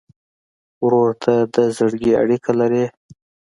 ورور ته د زړګي اړیکه لرې.